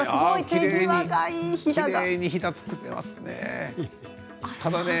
きれいにひだを作っていますね。